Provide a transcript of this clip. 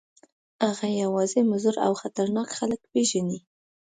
هغه یوازې مضر او خطرناک خلک پېژني.